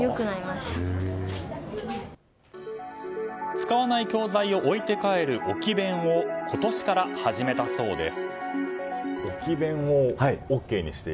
使わない教材を置いて帰る置き勉を今年から始めたそうです。